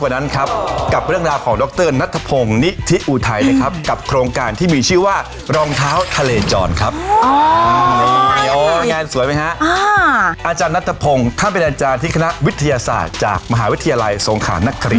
หรือไม่ใช่ขยะคะ